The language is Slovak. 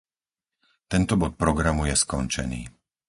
Tento bod programu je skončený.